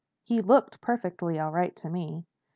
"He looked perfectly all right to me."